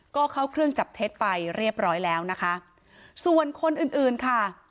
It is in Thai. ก็เข้าเครื่องจับเท็จไปเรียบร้อยแล้วนะคะส่วนคนอื่นอื่นค่ะ